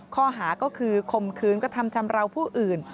ข้อหาก็คือคมคืนกระทำชำราวผู้อื่น